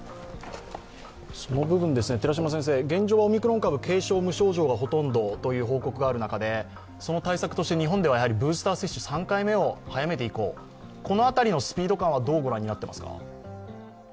その部分、現状はオミクロン株は軽症、無症状がほとんどという情報がある中で、その対策としては日本としてはブースター接種、３回目を早めていこう、この辺りのスピード感はどうご覧になっていますか。